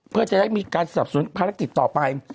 เพื่อจะได้มีการสับสนภารกิจต่อไป